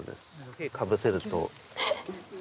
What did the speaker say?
手かぶせると。